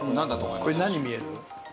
これ何に見える？